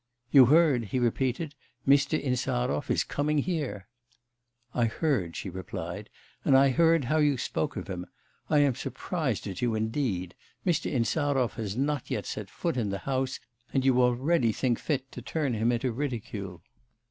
'You heard,' he repeated, 'Mr. Insarov is coming here.' 'I heard,' she replied; 'and I heard how you spoke of him. I am surprised at you, indeed. Mr. Insarov has not yet set foot in the house, and you already think fit to turn him into ridicule.